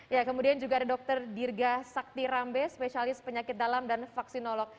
ya kemudian juga ada dr dirga sakti rambe spesialis penyakit dalam dan vaksinolog